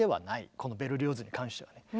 このベルリオーズに関してはね。